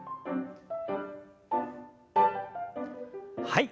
はい。